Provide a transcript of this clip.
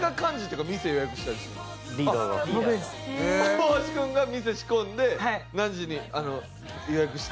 大橋くんが店仕込んで何時に予約して。